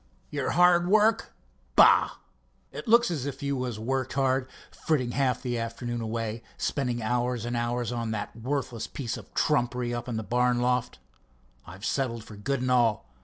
"Your hard work—bah! It looks as if you was worked hard, fritting half of the afternoon away, spending hours and hours on that worthless piece of trumpery up in the barn loft. I've settled for good and all.